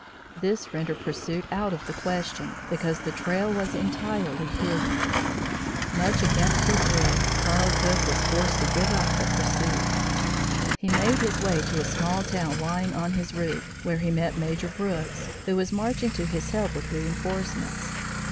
This rendered pursuit out of the question, because the trail was entirely hidden. Much against his will Colonel Cook was forced to give up the pursuit. He made his way to a small town lying on his route, where he met Major Brooks, who was marching to his help with reinforcements.